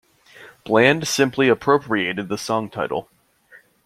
Bland simply appropriated the song title.